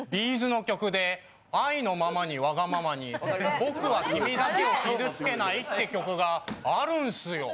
Ｂ’ｚの曲で愛のままにわがままに僕は君だけを傷つけないっていう曲があるんッスよ。